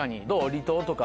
離島とか。